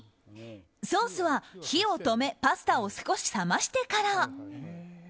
ソースは火を止めパスタを少し冷ましてから。